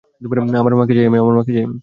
আমার মাকে চাই আমি।